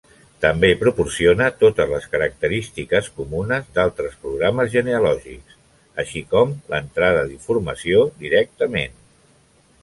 També proporciona totes les característiques comunes d'altres programes genealògics, així com l'entrada d'informació directament.